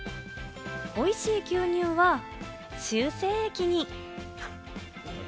おいしい牛乳は、修正液に。